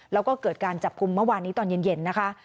แล้วก็เกิดการจับกลุ่มเมื่อวานนี้ตอนเย็นนะคะ